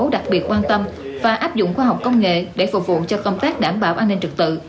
đặc biệt quan tâm và áp dụng khoa học công nghệ để phục vụ cho công tác đảm bảo an ninh trực tự